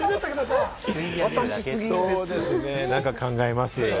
そうですね、何か考えます。